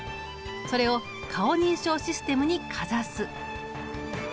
それを顔認証システムにかざす。